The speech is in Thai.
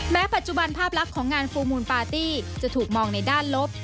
ปัจจุบันภาพลักษณ์ของงานฟูลมูลปาร์ตี้จะถูกมองในด้านลบ